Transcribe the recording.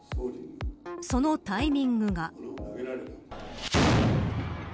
そのタイミングが。